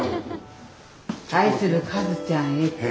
「愛するカズちゃんへ」って。